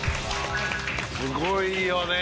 すごいよね。